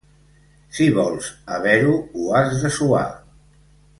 Si vols haver-ho, ho has de suar.